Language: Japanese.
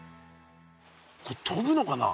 これとぶのかな？